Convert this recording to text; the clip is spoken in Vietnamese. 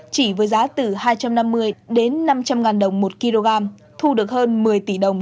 chỉ với giá từ hai trăm năm mươi đến năm trăm linh ngàn đồng một kg thu được hơn một mươi tỷ đồng